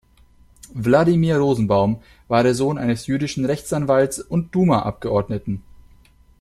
Wladimir Rosenbaum war der Sohn eines jüdischen Rechtsanwalts und Duma-Abgeordneten.